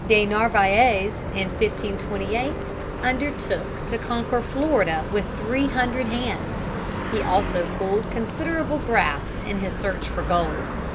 De Narvaez in 1528 undertook to conquer Florida with three hundred hands. He also pulled considerable grass in his search for gold.